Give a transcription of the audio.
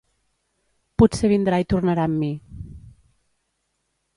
Potser vindrà i tornarà amb mi.